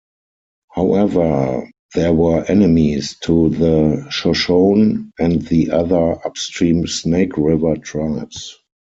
However, they were enemies to the Shoshone and the other upstream Snake River tribes.